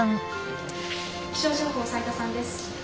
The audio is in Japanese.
気象情報斉田さんです。